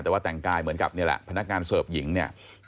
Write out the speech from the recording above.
แต่ว่าแต่งกายเหมือนกับนี่แหละพนักงานเสิร์ฟหญิงเนี่ย